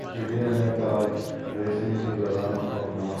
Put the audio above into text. Australia میں car racing کے دوران خوفناک حادثہ